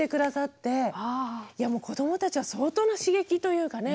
子どもたちは相当な刺激というかね。